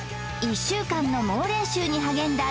１週間の猛練習に励んだ